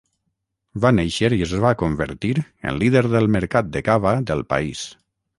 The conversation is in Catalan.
Va néixer i es va convertir en líder del mercat de cava del país.